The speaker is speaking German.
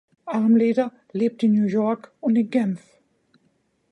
Armleder lebt in New York und in Genf.